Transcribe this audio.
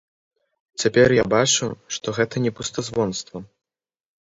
Цяпер я бачу, што гэта не пустазвонства!